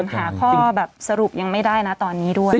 หาข้อสรุปลงไม่ได้ตอนนี้ด้วย